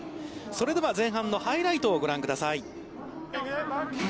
それでは前半のハイライトをご覧ください。